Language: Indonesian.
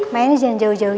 mainnya jangan jauh jauh ya